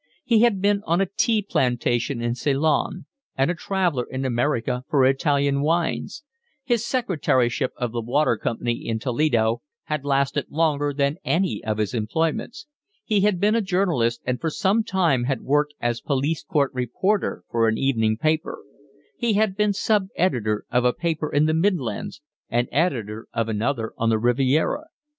He had been on a tea plantation in Ceylon and a traveller in America for Italian wines; his secretaryship of the water company in Toledo had lasted longer than any of his employments; he had been a journalist and for some time had worked as police court reporter for an evening paper; he had been sub editor of a paper in the Midlands and editor of another on the Riviera.